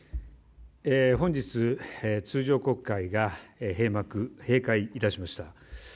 本日、通常国会が閉会しました。